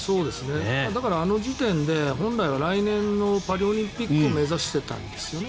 だから、あの時点で本来は来年のパリオリンピックを目指していたんですね。